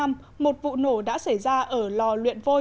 một vụ nổ đã xảy ra ở lò luyện vôi